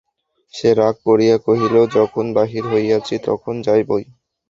সে রাগ করিয়া কহিল, যখন বাহির হইয়াছি, তখন যাইবই।